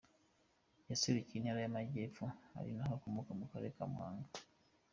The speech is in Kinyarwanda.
Yaserukiye Intara y’Amajyepfo ari naho akomoka mu Karere ka Muhanga.